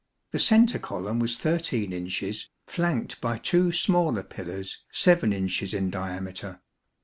The centre column was 13 inches, flanked by two smaller pillars, 7 inches in diameter.